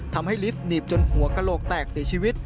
ทำให้ลิฟต์หนีบจนหัวกระโหลกแตกเสียชีวิต